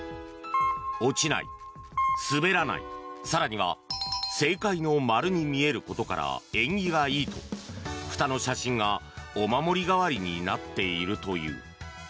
落ちない、滑らない更には正解の丸に見えることから縁起がいいとふたの写真がお守り代わりになっているという。